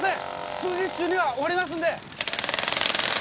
数日中には終わりますんで！